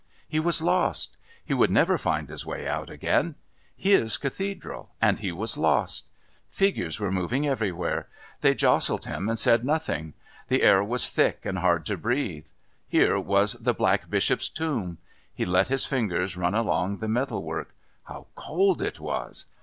He was lost. He would never find his way out again. His Cathedral, and he was lost! Figures were moving everywhere. They jostled him and said nothing. The air was thick and hard to breathe. Here was the Black Bishop's Tomb. He let his fingers run along the metal work. How cold it was!